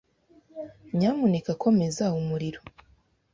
Nyamuneka komeza umuriro.